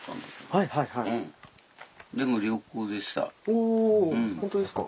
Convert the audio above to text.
おお本当ですか。